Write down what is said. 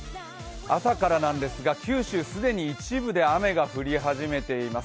朝からですが九州、既に一部で雨が振り始めています。